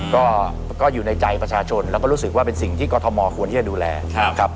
ก็อยู่ในใจประชาชนแล้วก็รู้สึกว่าเป็นสิ่งที่กรทมควรที่จะดูแลครับ